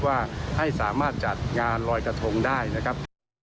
ว่าให้สามารถจัดงานลอยกระทงได้นะครับ